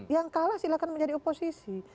yang kalah silahkan menjadi oposisi